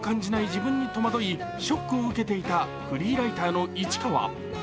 自分に戸惑いショックを受けていたフリーライターの市川。